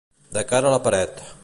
De cara a la paret.